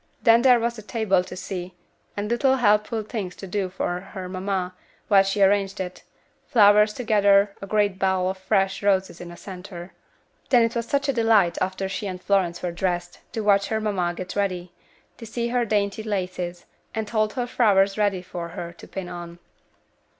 Then there was the table to see, and little helpful things to do for her mamma, while she arranged it; flowers to gather, a great bowl of fresh roses in the centre. Then it was such a delight, after she and Florence were dressed, to watch her mamma get ready; to see her dainty laces, and hold her flowers ready for her to pin on.